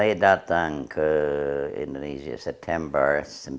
saya datang ke indonesia september seribu sembilan ratus empat puluh